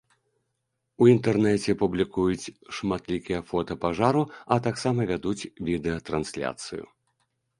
У інтэрнэце публікуюць шматлікія фота пажару, а таксама вядуць відэатрансляцыю.